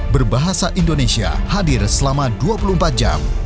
berbahasa indonesia hadir selama dua puluh empat jam